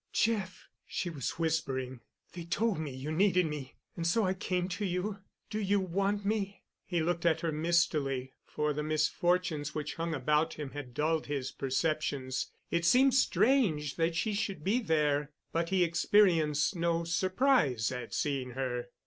"Jeff," she was whispering, "they told me you needed me, and so I came to you. Do you want me?" He looked at her mistily, for the misfortunes which hung about him had dulled his perceptions. It seemed strange that she should be there, but he experienced no surprise at seeing her.